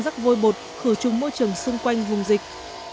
rắc vôi bột khử trùng môi trường xung quanh vùng dịch